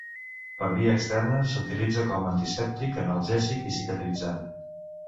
Per via externa s'utilitza com antisèptic, analgèsic i cicatritzant.